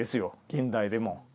現代でも。